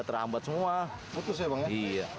terputus kan ya bang